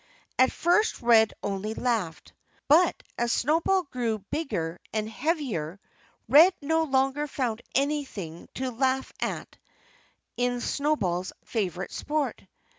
At first Red only laughed. But as Snowball grew bigger and heavier Red no longer found anything to laugh at in Snowball's favorite sport.